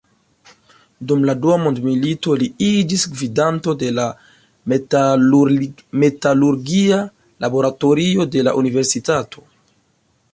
Dum la dua mondmilito, li iĝis gvidanto de la metalurgia laboratorio de la universitato.